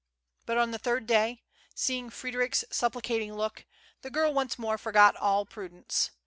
But on the third day, seeing Frederic's supplicating look, the girl once more forgot all prudence.